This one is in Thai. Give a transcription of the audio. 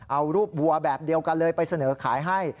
เอารูปวัวแบบเดียวกันเลยไปเสนอขายให้